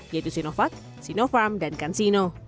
yaitu sinovac sinopharm dan cansino